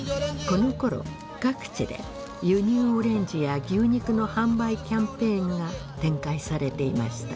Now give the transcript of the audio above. このころ各地で輸入オレンジや牛肉の販売キャンペーンが展開されていました。